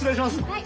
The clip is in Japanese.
はい。